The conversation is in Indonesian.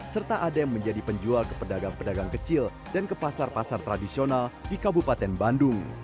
serta adem menjadi penjual ke pedagang pedagang kecil dan ke pasar pasar tradisional di kabupaten bandung